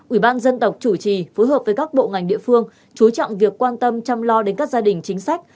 ủy ban dân tộc chủ trì phối hợp với các bộ ngành địa phương chú trọng việc quan tâm chăm lo đến các gia đình chính sách